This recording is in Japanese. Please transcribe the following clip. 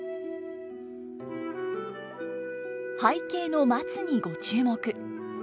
背景の松にご注目。